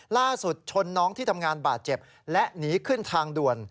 ชนน้องที่ทำงานบาดเจ็บและหนีขึ้นทางด่วน